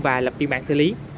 và lập biên bản xử lý